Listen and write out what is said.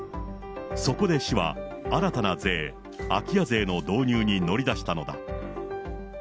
そこで市は新たな税、空き家税の導入に乗り出したのだ。